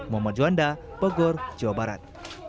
momo juanda pegur jawa barat